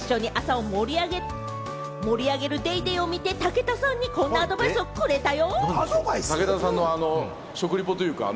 一緒に朝を盛り上げる『ＤａｙＤａｙ．』を見て武田さんにこんなアドバイスをくれたよ。